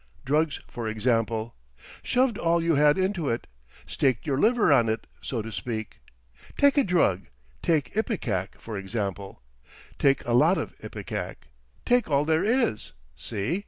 Drugs for example. Shoved all you had into it—staked your liver on it, so to speak. Take a drug—take ipecac, for example. Take a lot of ipecac. Take all there is! See?